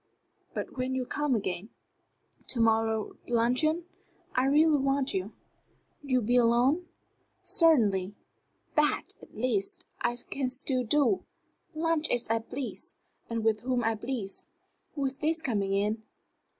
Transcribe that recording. But when'll you come again? To morrow luncheon? I really want you." "Would you be alone?" "Certainly. That, at least, I can still do lunch as I please, and with whom I please. Who is this coming in?